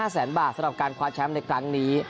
สำหรับการควาร์ดแชมป์ในครั้งนี้